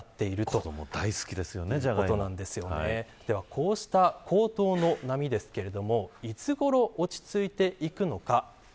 こうした高騰の波ですけれどもいつごろ、落ち着いていくのか。